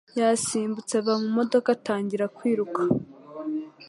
yasimbutse ava mu modoka atangira kwiruka.